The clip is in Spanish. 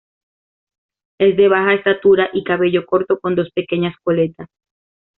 Es de baja estatura y cabello corto con dos pequeñas coletas.